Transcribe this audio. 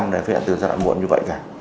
là phát hiện ra giai đoạn muộn như vậy cả